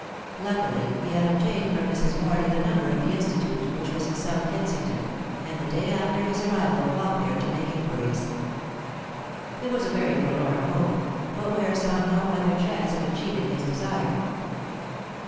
Luckily he had obtained from Mrs. Morley the number of the Institute, which was in South Kensington, and the day after his arrival walked there to make inquiries. It was a very forlorn hope, but Ware saw no other chance of achieving his desire.